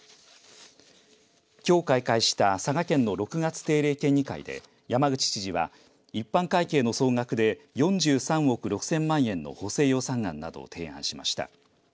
きょう開会した佐賀県の６月定例県議会で山口知事は一般会計の総額で４３億６０００万円の補正予算案などを提案しました。